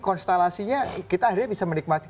konstelasinya kita akhirnya bisa menikmati